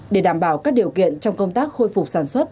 để đảm bảo các điều kiện trong công tác khôi phục sản xuất